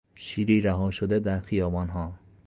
شیری رها شده در خیابانها